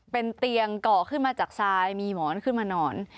เป็นเตียงก่อขึ้นมาจากทรายมีหมอนขึ้นมาหนอน